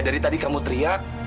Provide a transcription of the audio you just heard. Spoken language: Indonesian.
dari tadi kamu teriak